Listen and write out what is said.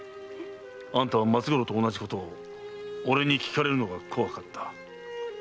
あんたは松五郎と同じことを俺に訊かれるのが怖かった。